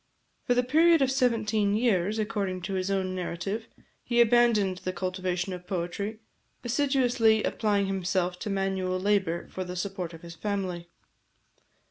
For the period of seventeen years, according to his own narrative, he abandoned the cultivation of poetry, assiduously applying himself to manual labour for the support of his family.